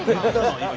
今。